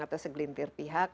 atau segelintir pihak